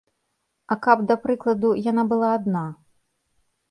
А каб, да прыкладу, яна была адна?